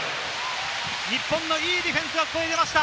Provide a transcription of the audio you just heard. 日本のいいディフェンスが出ました。